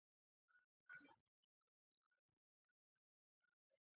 هرکله چې کوکونه د انګور د خوشې په شکل یوځای شي.